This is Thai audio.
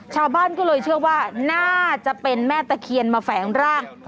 ชาวบ้านก็เลยเชื่อว่าน่าจะเป็นแม่ตะเคียนมาแฝงร่าง